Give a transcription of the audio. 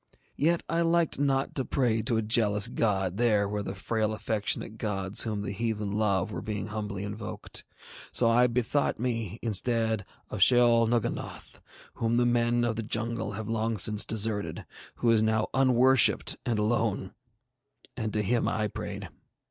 Yet I liked not to pray to a jealous God there where the frail affectionate gods whom the heathen love were being humbly invoked; so I bethought me, instead, of Sheol Nugganoth, whom the men of the jungle have long since deserted, who is now unworshipped and alone; and to him I prayed.